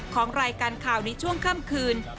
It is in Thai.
ของรายการข่าวในช่วงค่ำคืน